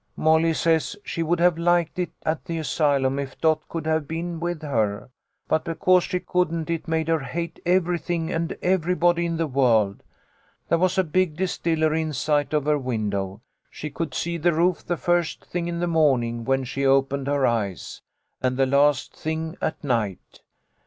" Molly says she would have liked it at the asylum if Dot could have been with her, but because she couldn't it made her hate everything and everybody in the world. There was a big distillery in sight of her window. She could see the roof the first thing in the morning, when she opened her eyes, and the last thing at night.